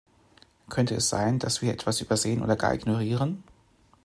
Könnte es sein, dass wir hier etwas übersehen oder gar ignorieren?